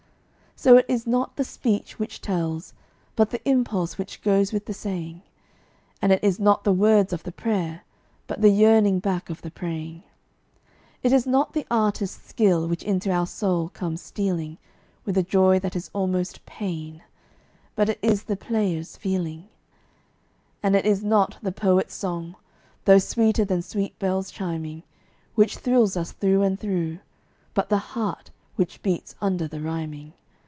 So it is not the speech which tells, but the impulse which goes with the saying; And it is not the words of the prayer, but the yearning back of the praying. It is not the artist's skill which into our soul comes stealing With a joy that is almost pain, but it is the player's feeling. And it is not the poet's song, though sweeter than sweet bells chiming, Which thrills us through and through, but the heart which beats under the rhyming.